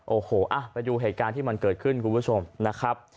โอโหไปดูเหตุการณ์ที่มันเกิดขึ้นนะครับ